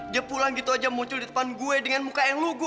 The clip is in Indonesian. dia pulang gitu aja muncul di depan gue dengan muka yang lugu